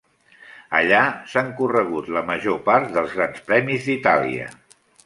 Allà s'han corregut la major part dels grans premis d'Itàlia.